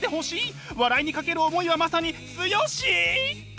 笑いにかける思いはまさにツヨシっ！